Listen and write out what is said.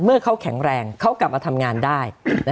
เมื่อเขาแข็งแรงเขากลับมาทำงานได้